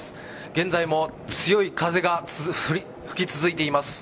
現在も強い風が吹き続いています。